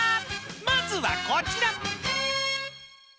［まずはこちら］